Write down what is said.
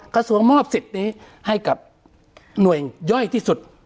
กระทรวงมอบสิทธิ์นี้ให้กับหน่วยย่อยที่สุด